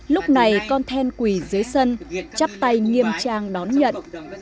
lúc này con then quỳ dưới sân chắp tay nghiêm trang đón nhận